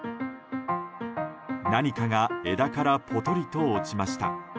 何かが枝からポトリと落ちました。